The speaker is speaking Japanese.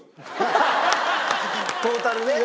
トータルね。